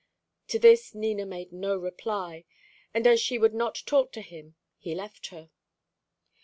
To this Nina made no reply, and as she would not talk to him, he left her.